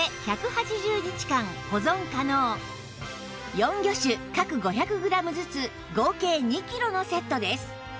４魚種各５００グラムずつ合計２キロのセットです